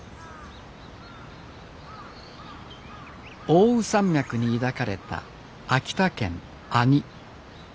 奥羽山脈に抱かれた秋田県阿仁。